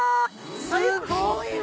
すごいわ。